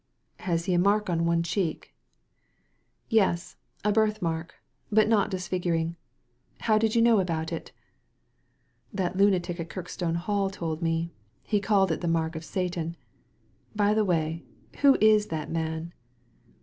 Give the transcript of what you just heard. " Has he a mark on one cheek ?" "Yes, a birth mark ; but not disfiguring. How did you know about it ?" "That lunatic at Kirkstone Hall told me. He called it the mark of Satan. By the way, who is that man